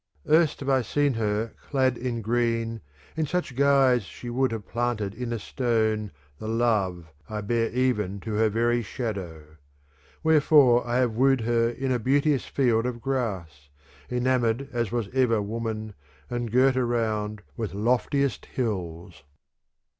Erst have I seen her clad in green in such guise she would have planted in a stone the love I bear even to her very shadow ; wherefore I have wooed her in a beauteous field of grass, enamoured as was ever woman,^ and girt^ around with loftiest hills.